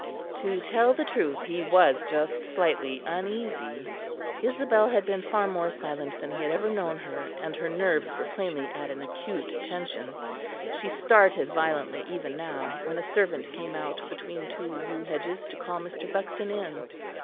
To tell the truth, he was just slightly uneasy. Isabel had been far more silent than he had ever known her, and her nerves were plainly at an acute tension; she started violently even now, when a servant came out between two yew hedges to call Mr. Buxton in.